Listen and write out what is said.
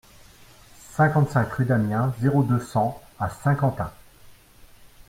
cinquante-cinq rue d'Amiens, zéro deux, cent à Saint-Quentin